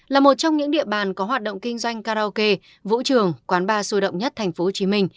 là một trong những địa bàn có hoạt động kinh doanh karaoke vũ trường quán ba sôi động nhất tp hcm